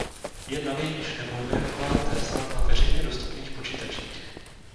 Je nanejvýš nevhodné ukládat hesla na veřejně dostupných počítačích.